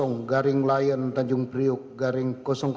garing layan tanjung priuk garing lima puluh enam